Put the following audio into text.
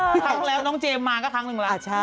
ครั้งแล้วน้องเจมส์มาก็ครั้งหนึ่งแล้ว